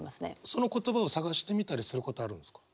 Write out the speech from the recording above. その言葉を探してみたりすることはあるんですか？